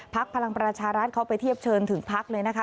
พักธุ์พลังประชาราชเขาไปเทียบเชินถึงพักธุ์เลยนะคะ